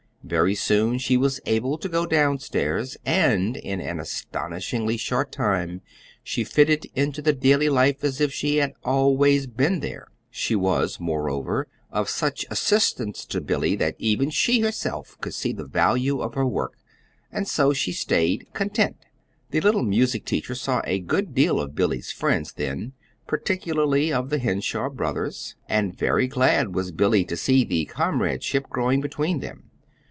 Very soon she was able to go down stairs, and in an astonishingly short time she fitted into the daily life as if she had always been there. She was, moreover, of such assistance to Billy that even she herself could see the value of her work; and so she stayed, content. The little music teacher saw a good deal of Billy's friends then, particularly of the Henshaw brothers; and very glad was Billy to see the comradeship growing between them.